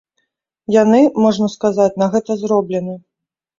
Яны, можна сказаць, на гэта зроблены.